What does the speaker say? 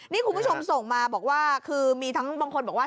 นี่คุณผู้ชมส่งมาบอกว่าคือมีทั้งบางคนบอกว่า